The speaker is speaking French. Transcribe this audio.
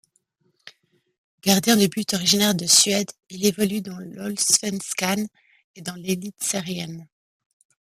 Gardien de but originaire de Suède, il évolue dans l'Allsvenskan et dans l'Elitserien.